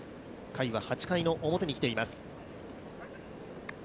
回は８回の表に来ています。